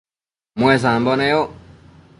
muesambo neyoc